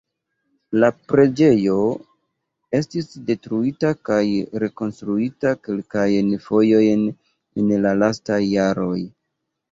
La preĝejo estis detruita kaj rekonstruita kelkajn fojojn en la lastaj jaroj.